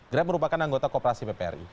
grep merupakan anggota kooperasi ppri